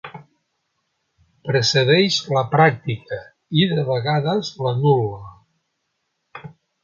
Precedeix la pràctica, i de vegades l'anul·la.